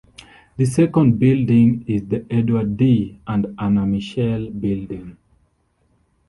The second building is the Edward D. and Anna Mitchell Building.